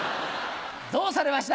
どうされました？